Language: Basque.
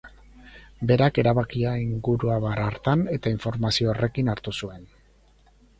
Berak erabakia inguruabar hartan eta informazio horrekin hartu zuen.